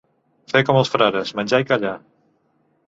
Fer com els frares, menjar i callar.